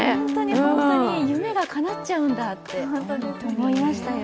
本当に、夢がかなっちゃうんだって思いましたよ。